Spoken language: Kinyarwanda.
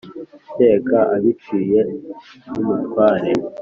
Kereka abiciye n'umutware !